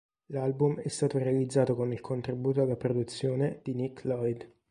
L'album è stato realizzato con il contributo alla produzione di Nick Lloyd.